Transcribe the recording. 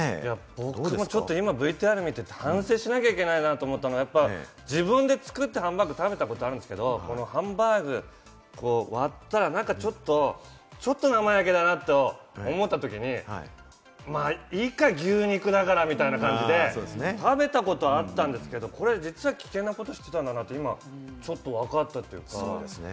僕もＶＴＲ見て反省しなきゃいけないなと思ったのは、自分で作ったハンバーグ食べたことあるんですけれども、ハンバーグ、割ったら何かちょっと生焼けだなと思ったときに、まあいいか、牛肉だからみたいな感じで食べたことあったんですけれども、これ実は危険なことしてたんだなって今ちょっとわかったというか。